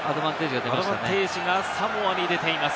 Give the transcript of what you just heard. アドバンテージがサモアに出ています。